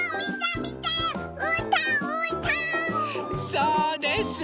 そうです。